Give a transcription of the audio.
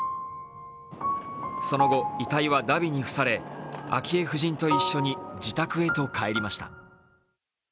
その後、遺体はだびに付され、昭恵夫人と一緒に自宅へと帰りました。